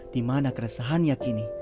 dimana keresahannya kini